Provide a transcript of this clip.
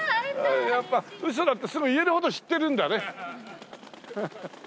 やっぱ「ウソだ」ってすぐ言えるほど知ってるんだね！